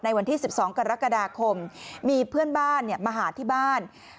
วันที่๑๒กรกฎาคมมีเพื่อนบ้านมาหาที่บ้าน